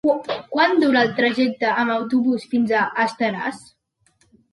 Quant dura el trajecte en autobús fins a Estaràs?